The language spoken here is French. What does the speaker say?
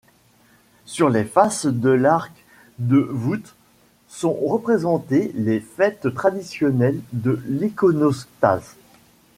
Sur les faces de l'arc de voûte sont représentées les fêtes traditionnelles de l'iconostase.